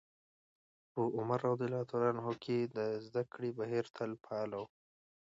په عمر رض کې د زدکړې بهير تل فعال و.